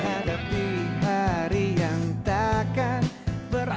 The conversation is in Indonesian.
di hari yang takkan berhenti